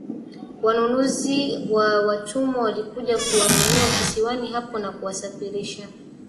Wanunuzi wa watumwa walikuja kuwanunua kisiwani hapo na kuwasafirisha